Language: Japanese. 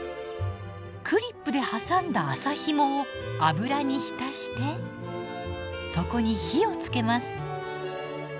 クリップで挟んだ麻ひもを油に浸してそこに火をつけます。